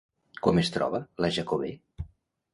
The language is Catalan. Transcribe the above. Com es troba la Jacobè?